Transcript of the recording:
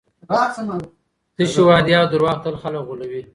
تشې وعدې او دروغ تل خلګ غولوي.